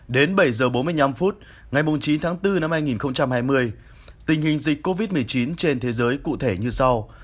đến bảy h bốn mươi năm phút ngày chín tháng bốn năm hai nghìn hai mươi tình hình dịch covid một mươi chín trên thế giới cụ thể như sau